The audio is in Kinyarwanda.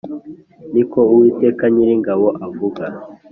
ni ko Uwiteka Nyiringabo avuga